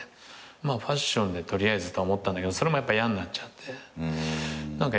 ファッションで取りあえずとは思ったんだけどそれも嫌になっちゃって何か辞めちゃって。